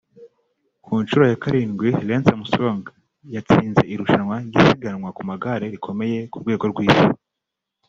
Ku nshuro ya karindwi Lance Armstrong yatsinze irushanwa ry’isiganwa ku magare rikomeye mu rwego rw’isi